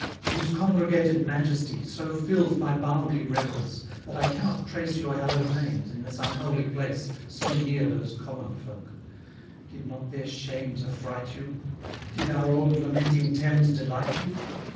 Whose congregated majesty so fills My boundly reverence, that I cannot trace Your hallowed names, in this unholy place, So near those common folk; did not their shames Affright you? Did our old lamenting Thames Delight you?